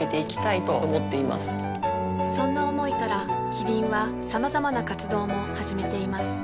そんな思いからキリンはさまざまな活動も始めています